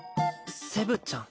セブちゃん？